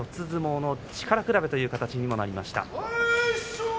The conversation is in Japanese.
相撲の力比べというような形にもなりました。